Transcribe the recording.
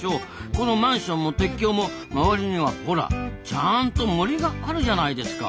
このマンションも鉄橋も周りにはほらちゃんと森があるじゃないですか。